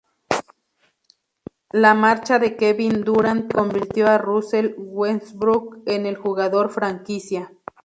La marcha de Kevin Durant, convirtió a Russell Westbrook en el jugador franquicia.